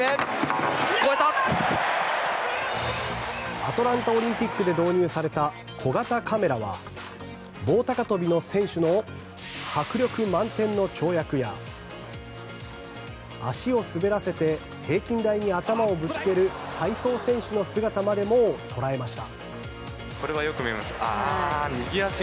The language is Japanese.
アトランタオリンピックで導入された小型カメラは棒高跳の選手の迫力満点の跳躍や足を滑らせて平均台に頭をぶつける体操選手の姿までをも捉えました。